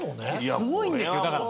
すごいんですよだから。